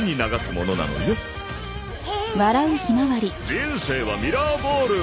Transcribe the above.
人生はミラーボール。